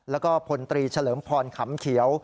แล้วก็พลตรีเฉลิมพรขำเขียว